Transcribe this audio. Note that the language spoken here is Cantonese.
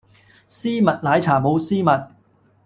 絲襪奶茶冇絲襪